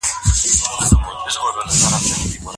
لیکوال به اصلاح کوله.